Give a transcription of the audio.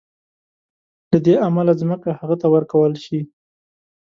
له دې امله ځمکه هغه ته ورکول شي.